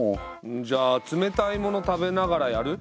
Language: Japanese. じゃあ冷たいもの食べながらやる？